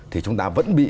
thì chúng ta vẫn bị